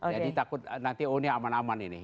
jadi takut nanti oh ini aman aman ini